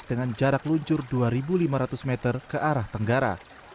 dengan jarak luncur dua lima ratus meter ke arah tenggara